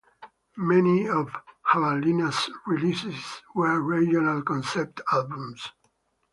Many of Havalina's releases were regional concept albums.